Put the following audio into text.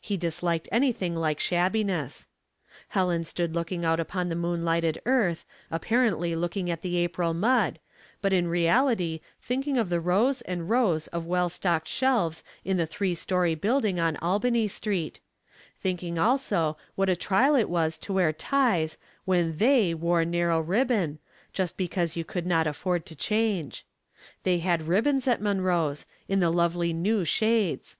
He disliked anything like shabbiness. Helen stood looking out upon the moonlighted earth, apparently looking at the April mud, but in reality thinking of the rows and rows of well stocked shelves in the three story building on Albany street; thinking, also, what a trial it was to wear ties when " they " wore narrow ribbon, just because you could not afford to change. They had ribbons at Munroe's, in the lovely new shades.